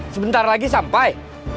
sebentar lagi sampai